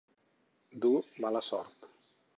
Dur mala sort.